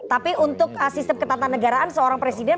tapi untuk sistem ketatanegaraan seorang presiden